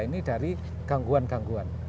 ini dari gangguan gangguan